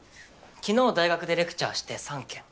昨日大学でレクチャーして３件。